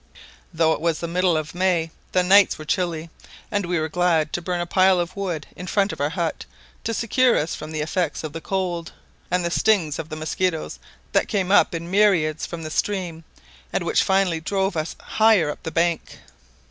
"Though it was the middle of May the nights were chilly, and we were glad to burn a pile of wood in front of our hut to secure us from the effects of the cold and the stings of the mosquitoes, that came up in myriads from the stream, and which finally drove us higher up the bank.